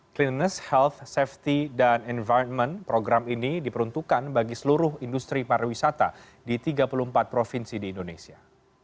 cleanness health safety dan environment program ini diperuntukkan bagi seluruh industri pariwisata di tiga puluh empat provinsi di indonesia